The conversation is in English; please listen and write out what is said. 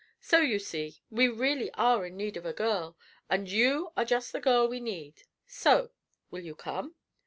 So, you see, we really are in need of a girl, and you are just the girl we need. So, will you come?"